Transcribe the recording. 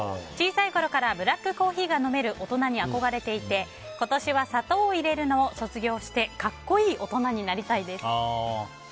小さいころからブラックコーヒーが飲める大人に憧れていて今年は砂糖を入れるのを卒業して格好いい大人になりたいです。